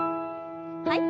はい。